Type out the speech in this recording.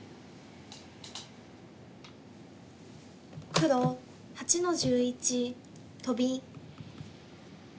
黒８の十一トビ。